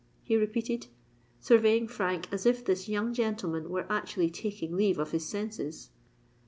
he repeated, surveying Frank as if this young gentleman were actually taking leave of his senses.